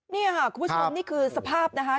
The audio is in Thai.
นี่ค่ะคุณผู้ชมนี่คือสภาพนะคะ